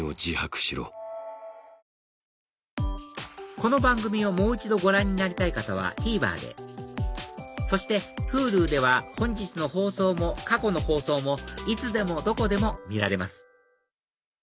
この番組をもう一度ご覧になりたい方はＴＶｅｒでそしてＨｕｌｕでは本日の放送も過去の放送もいつでもどこでも見られます